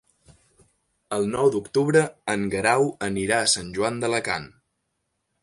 El nou d'octubre en Guerau anirà a Sant Joan d'Alacant.